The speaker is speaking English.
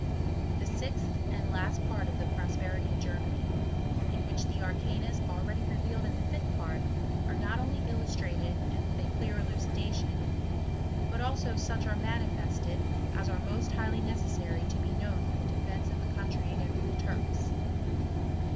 The sixth and last part of the Prosperity of Ger laany; in which the arcanas already revealed in the fifth part, are not only illustrated and with a clear elu cidation, but also such are manifested as are most highly necessary to be known for the defence of the country against the Turks.